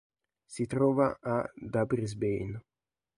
Si trova a da Brisbane.